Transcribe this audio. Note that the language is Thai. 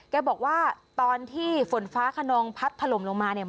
แกบอกว่าตอนที่ฝนฟ้าขนองพัดถล่มลงมาเนี่ย